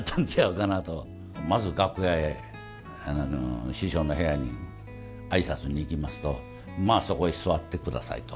まず楽屋へ師匠の部屋に挨拶に行きますと「まあそこへ座って下さい」と。